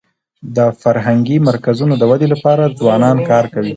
د فرهنګي مرکزونو د ودي لپاره ځوانان کار کوي.